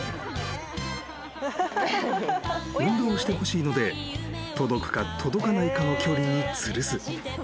［運動してほしいので届くか届かないかの距離につるす］